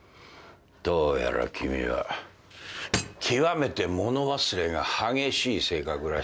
どうやら君は極めて物忘れが激しい性格らしいな。